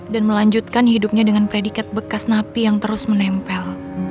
dan melanjutkan hidupnya dengan predikat bekas napi yang terus menempel